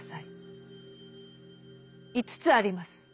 『五つあります。